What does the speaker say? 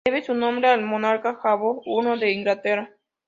Debe su nombre al monarca Jacobo I de Inglaterra.